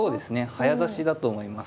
早指しだと思います。